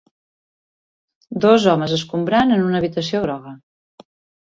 Dos homes escombrant en una habitació groga